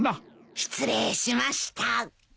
失礼しました。